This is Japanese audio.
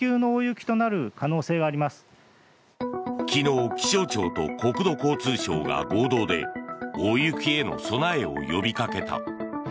昨日、気象庁と国土交通省が合同で大雪への備えを呼び掛けた。